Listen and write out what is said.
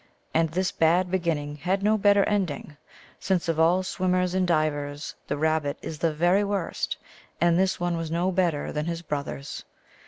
And this bad beginning had no bet ter ending, since of all swimmers and divers the Rab bit is the very worst, and this one was no better than his brothers.